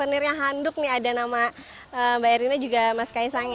souninya handuk nih ada nama mbak erina juga mas kaisang ya